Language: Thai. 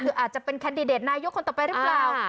คืออาจจะเป็นแคนดิเดตนายกคนต่อไปหรือเปล่า